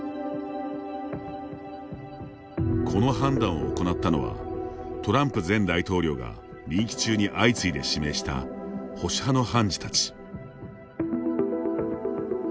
この判断を行ったのはトランプ前大統領が任期中に相次いで指名した保守派の判事たち。